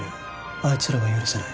あいつらは許せない